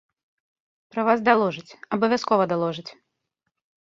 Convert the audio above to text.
Пра вас даложаць, абавязкова даложаць.